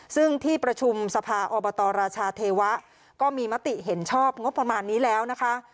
ซึ่งที่ประชุมสภาอบตรราชาเทวะก็มีมติเห็นชอบงบประมาณนี้แล้วนะคะ